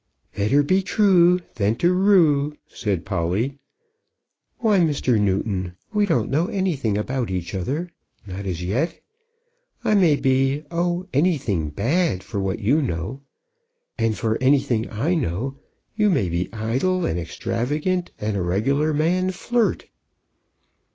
"Better be true than to rue," said Polly. "Why, Mr. Newton, we don't know anything about each other, not as yet. I may be, oh, anything bad, for what you know. And for anything I know you may be idle, and extravagant, and a regular man flirt."